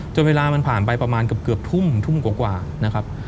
จนเวลามันผ่านไปประมาณกับเกือบทุ่มทุ่มกว่ากว่านะครับ